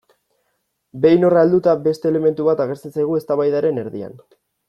Behin horra helduta, beste elementu bat agertzen zaigu eztabaidaren erdian.